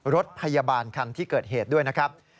รถพยาบาลคันที่เกิดเหตุด้วยนะครับ